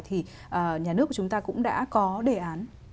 thì nhà nước của chúng ta cũng đã có đề án